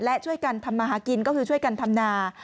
และช่วยกันทำมาหากินก็คือช่วยกันทำนา